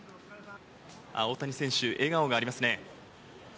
大谷選手、笑顔がありますね。